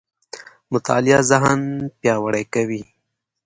مطالعه ذهن پياوړی کوي.